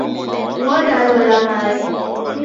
Onda lola mae.